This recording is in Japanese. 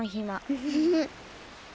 フフフッ。